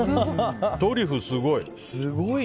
トリュフ、すごい。